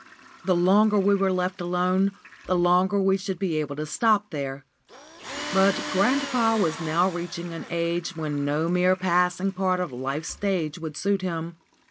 The longer we were left alone, the longer we should be able to stop there. But grandpapa was now fast reaching an age when no mere passive part on life's stage would suit him.